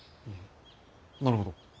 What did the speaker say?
なるほど。